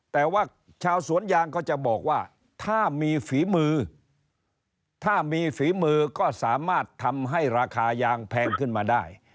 แต่ว่าชาวสวนยางก็จะบอกว่าถ้ามีฝีมือถ้ามีฝีมือก็สามารถทำให้ราคายางแพงขึ้นมาได้